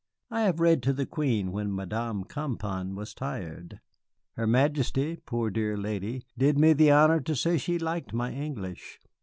"I have read to the Queen, when Madame Campan was tired. Her Majesty, poor dear lady, did me the honor to say she liked my English."